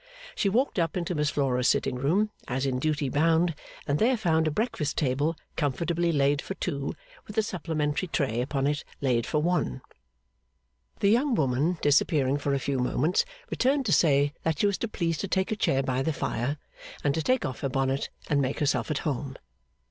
She walked up into Miss Flora's sitting room, as in duty bound, and there found a breakfast table comfortably laid for two, with a supplementary tray upon it laid for one. The young woman, disappearing for a few moments, returned to say that she was to please to take a chair by the fire, and to take off her bonnet and make herself at home.